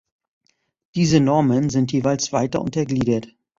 Diese Normen sind jeweils weiter untergliedert.